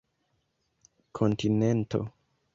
kontinento